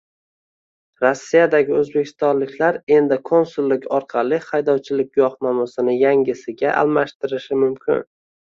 Rossiyadagi o‘zbekistonliklar endi konsullik orqali haydovchilik guvohnomasini yangisiga almashtirishi mumkin